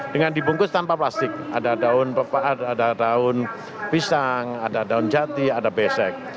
dengan dibungkus tanpa plastik ada daun pisang ada daun jati ada besek